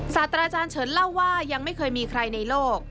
ศาสตราจารย์เฉินเล่าว่ายังไม่เคยมีใครในโลก